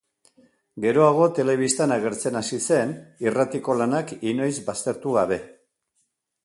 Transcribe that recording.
Geroago, telebistan agertzen hasi zen, irratiko lanak inoiz baztertu gabe.